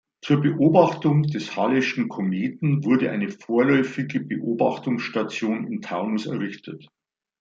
Zur Beobachtung des Halleyschen Kometen wurde eine vorläufige Beobachtungsstation im Taunus errichtet.